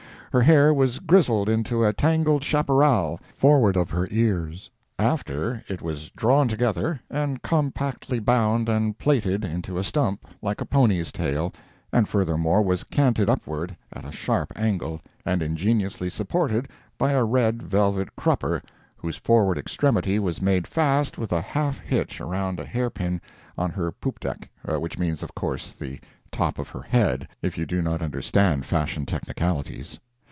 Her hair was grizzled into a tangled chapparal, forward of her ears; after it was drawn together, and compactly bound and plaited into a stump like a pony's tail, and furthermore was canted upward at a sharp angle, and ingeniously supported by a red velvet crupper, whose forward extremity was made fast with a half hitch around a hair pin on her poop deck, which means, of course, the top of her head, if you do not understand fashion technicalities.